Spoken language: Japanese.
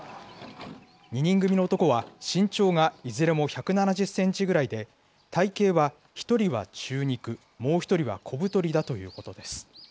２人組の男は身長がいずれも１７０センチぐらいで、体型は１人は中肉、もう１人は小太りだということです。